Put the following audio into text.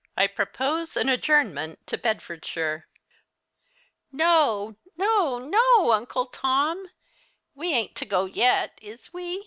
I propose an adjournment to Bedfordshire." "No! no! NO! Uncle Tom. We ain't to go yet, is we?"